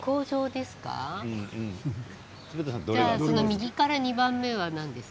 左から２番目は正解です。